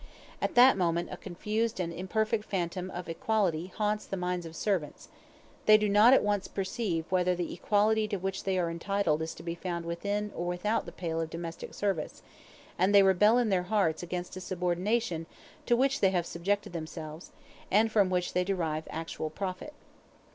At that moment a confused and imperfect phantom of equality haunts the minds of servants; they do not at once perceive whether the equality to which they are entitled is to be found within or without the pale of domestic service; and they rebel in their hearts against a subordination to which they have subjected themselves, and from which they derive actual profit.